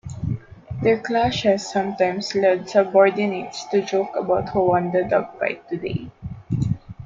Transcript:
Their clashes sometimes led subordinates to joke about who won the dogfight today?